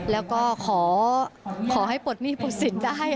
แล้วก็ขอให้ปลดหนี้ปลดสินจะให้